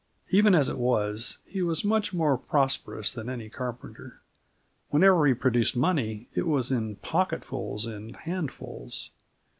Even as it was, he was much more prosperous than any carpenter. Whenever he produced money, it was in pocketfuls and handfuls.